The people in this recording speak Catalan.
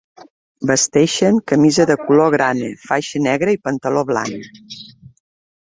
Vesteixen camisa de color grana, faixa negra i pantaló blanc.